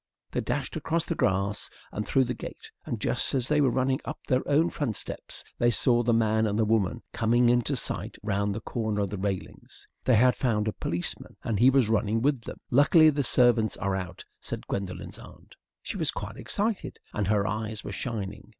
They dashed across the grass and through the gate, and, just as they were running up their own front steps, they saw the man and the woman coming into sight round the corner of the railings. They had found a policeman, and he was running with them. "Luckily the servants are out," said Gwendolen's aunt. She was quite excited, and her eyes were shining.